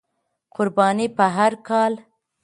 قرباني په هر کال،